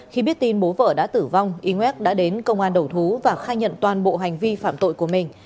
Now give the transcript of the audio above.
khi biết tin bố vở đã tử vong iwak đã đến công an đầu thú và khai nhận toàn bộ hành vi phạm tội của mình